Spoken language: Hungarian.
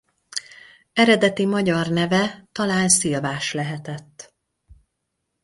Eredeti magyar neve talán Szilvás lehetett.